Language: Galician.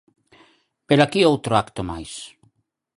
Velaquí outro acto máis.